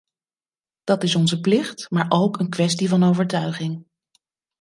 Dat is onze plicht, maar ook een kwestie van overtuiging.